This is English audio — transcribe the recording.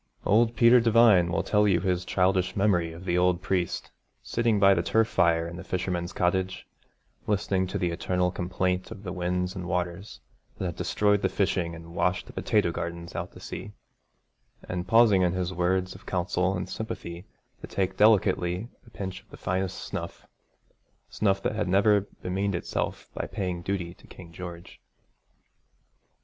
Old Peter Devine will tell you his childish memory of the old priest sitting by the turf fire in the fisherman's cottage, listening to the eternal complaint of the winds and waters that had destroyed the fishing and washed the potato gardens out to sea, and pausing in his words of counsel and sympathy to take delicately a pinch of the finest snuff, snuff that had never bemeaned itself by paying duty to King George.